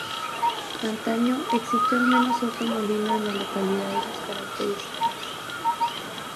Antaño existió al menos otro molino en la localidad de sus características.